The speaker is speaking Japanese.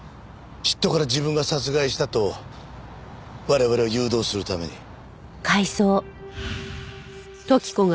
嫉妬から自分が殺害したと我々を誘導するために。